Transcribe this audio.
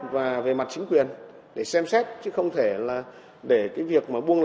và về mặt trí